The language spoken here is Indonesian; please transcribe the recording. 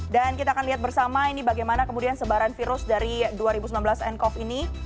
dan kita akan lihat bersama ini bagaimana kemudian sebaran virus dari dua ribu sembilan belas ncov ini